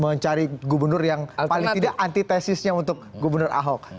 mencari gubernur yang paling tidak antitesisnya untuk gubernur ahok